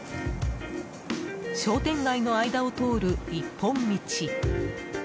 商店街の間を通る一本道。